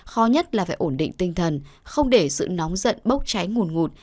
khó nhất là phải ổn định tinh thần không để sự nóng giận bốc cháy nguồn ngụt